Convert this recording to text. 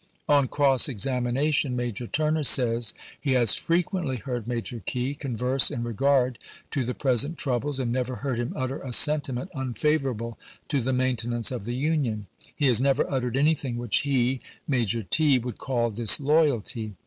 '" On cross examination Major Turner says he has frequently heard Major Key converse in regard to the present troubles, and never heard him utter a senti ment unfavorable to the maintenance of the Union. He has never uttered anything which he, Major T., would call disloyalty.